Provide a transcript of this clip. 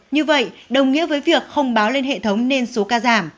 như vậy đồng nghĩa với việc không báo lên hệ thống nên số ca giảm